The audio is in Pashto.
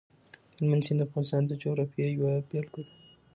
هلمند سیند د افغانستان د جغرافیې یوه بېلګه ده.